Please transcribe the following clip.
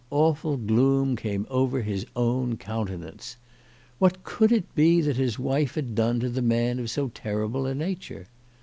239 awful gloom came over his own countenance. What could it be that his wife had done to the man of so terrible a nature